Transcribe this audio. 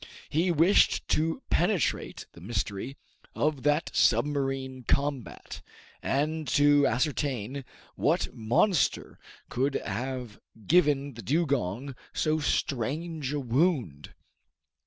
He wished to penetrate the mystery of that submarine combat, and to ascertain what monster could have given the dugong so strange a wound.